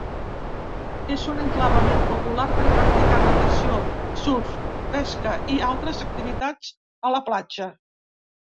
És un enclavament popular per practicar natació, surf, pesca i altres activitats a la platja.